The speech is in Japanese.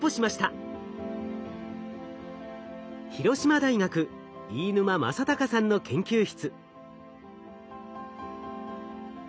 広島大学飯沼昌隆さんの研究室。